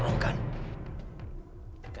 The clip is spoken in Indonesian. aku akan menolongkan